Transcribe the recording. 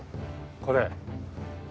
これ。